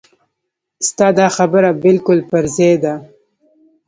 ستا دا خبره بالکل پر ځای ده.